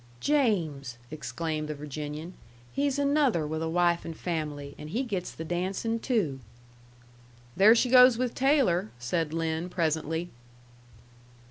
"James!" exclaimed the Virginian. "He's another with a wife and fam'ly, and he gets the dancin', too." "There she goes with Taylor," said Lin, presently.